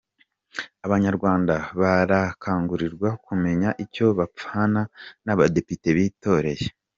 Abanyarwanda barakangurirwa kumenya icyo bapfana n’abadepite bitoreye